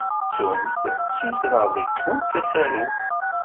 Ttumt ssutreɣ seg-went asaruf.